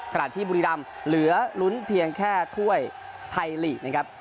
ขณะที่บุรีรำเหลือลุ้นเพียงแค่ถ้วยไทยลีกนะครับ